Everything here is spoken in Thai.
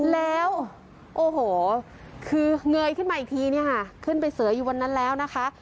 แล้วโอ้โหคือเงยขึ้นมาอีกทีเนี่ยค่ะขึ้นไปเสืออยู่บนนั้นแล้วนะคะ